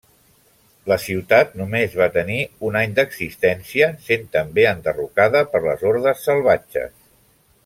La ciutat només va tenir un any d'existència, sent també enderrocada per les hordes salvatges.